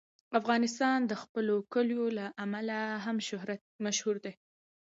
افغانستان د خپلو کلیو له امله هم مشهور دی.